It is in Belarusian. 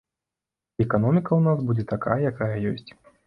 І эканоміка ў нас будзе такая, якая ёсць.